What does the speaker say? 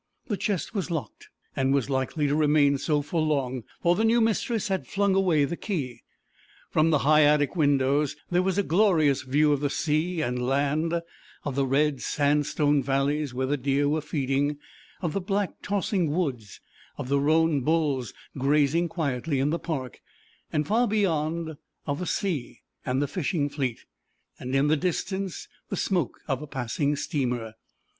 The chest was locked, and was likely to remain so for long, for the new mistress had flung away the key. From the high attic windows there was a glorious view of sea and land, of the red sandstone valleys where the deer were feeding, of the black tossing woods, of the roan bulls grazing quietly in the park, and far beyond, of the sea, and the fishing fleet, and in the distance the smoke of a passing steamer.